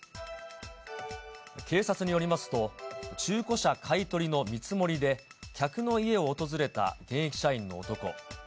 警察によりますと、中古車買い取りの見積もりで、客の家を訪れた現役社員の男。